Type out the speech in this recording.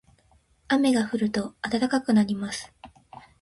雨が降ると暖かくなります。